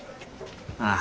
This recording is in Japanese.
ああ。